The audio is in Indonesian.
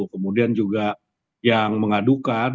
kemudian juga yang mengadukan